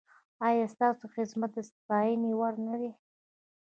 ایا ستاسو خدمت د ستاینې وړ نه دی؟